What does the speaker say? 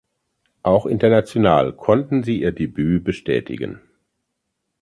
Auch international konnten sie ihr Debüt bestätigen.